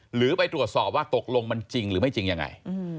หรือไปตรวจสอบว่าตกลงมันจริงหรือไม่จริงยังไง